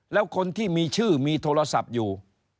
แล้วคนที่มีชื่อมีโทรศัพท์อยู่